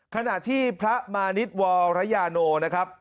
ขณะที่พระมานิดวรยาโนนะครับ